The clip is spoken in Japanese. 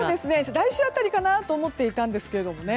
来週辺りかなと思っていたんですけどね。